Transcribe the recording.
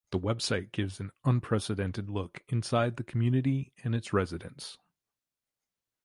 The website gives an unprecedented look inside the community and its residents.